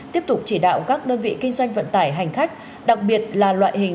tiếp tục chỉ đạo các đơn vị kinh doanh vận tải hành khách đặc biệt là loại hình